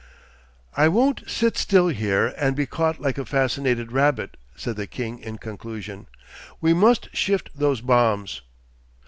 'I won't sit still here and be caught like a fascinated rabbit,' said the king in conclusion. 'We must shift those bombs.